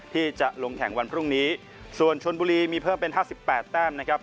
ที่จะลงแข่งวันพรุ่งนี้ส่วนชนบุรีมีเพิ่มเป็นห้าสิบแปดแต้มนะครับ